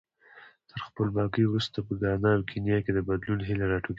تر خپلواکۍ وروسته په ګانا او کینیا کې د بدلون هیلې راټوکېدلې وې.